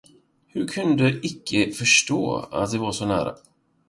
Han kunde icke förstå, att det var så nära.